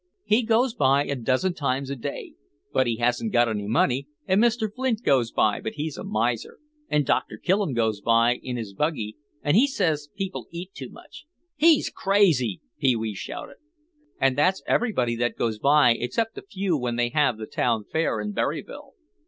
"He goes by a dozen times a day, but he hasn't got any money, and Mr. Flint goes by but he's a miser and Doctor Killem goes by in his buggy and he says people eat too much—" "He's crazy!" Pee wee shouted. "And that's everybody that goes by except a few when they have the town fair in Berryville."